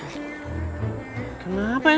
waalaikumsalam warahmatullah wabarakatuh